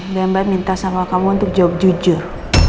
lembar minta sama kamu untuk jawab jujur